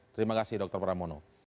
terima kasih dokter pramono